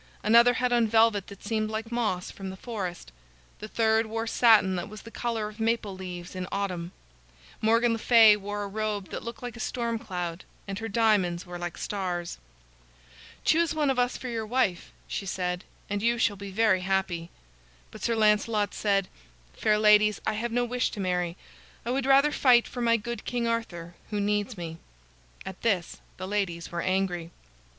Another had on velvet that seemed like moss from the forest. The third wore satin that was the color of maple leaves in autumn. Morgan le Fay wore a robe that looked like a storm cloud, and her diamonds were like stars. "Choose one of us for your wife," she said, "and you shall be very happy." But Sir Lancelot said: "Fair ladies, I have no wish to marry. I would rather fight for my good King Arthur who needs me." At this the ladies were angry.